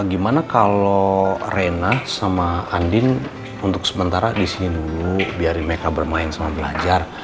gimana kalau rena sama andin untuk sementara di sini dulu biarin mereka bermain sama belajar